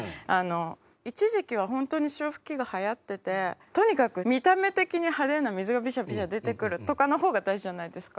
一時期はほんとに潮吹きがはやっててとにかく見た目的に派手な水がビシャビシャ出てくるとかの方が大事じゃないですか。